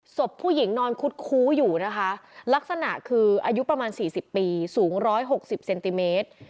ศพผู้หญิงนอนคุดคู้อยู่นะคะลักษณะคืออายุประมาณสี่สิบปีสูงร้อยหกสิบเซนติเมตร